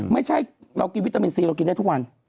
ไม่ใช่เรากินวิตามินซีเรากินได้ทุกวัน